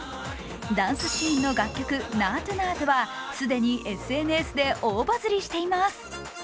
ダンスシーンの楽曲、「ナートゥ・ナートゥ」は既にＳＮＳで大バズリしています。